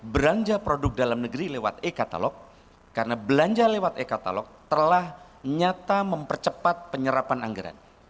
belanja produk dalam negeri lewat e katalog karena belanja lewat e katalog telah nyata mempercepat penyerapan anggaran